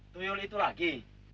tuyul itu lagi